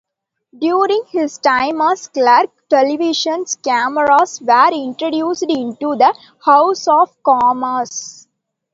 During his time as clerk, television cameras were introduced into the House of Commons.